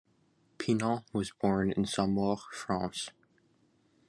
Pinon was born in Saumur, France.